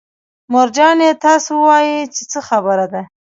مور جانې تاسو ووايئ چې څه خبره ده.